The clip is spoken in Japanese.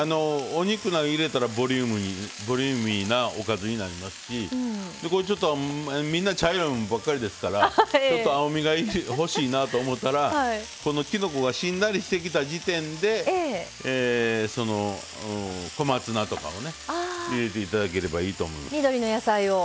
お肉入れたらボリューミーなおかずになりますし、みんな茶色いもんばっかりですからちょっと青みが欲しいなと思ったらきのこがしんなりしてきた時点で小松菜とかを入れていただいたらいいと思います。